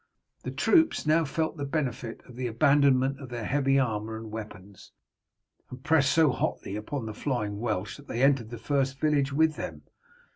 The troops now felt the benefit of the abandonment of their heavy armour and weapons, and pressed so hotly upon the flying Welsh that they entered the first village with them.